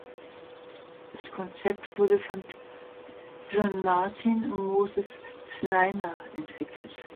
Das Konzept wurde von John Martin und Moses Znaimer entwickelt.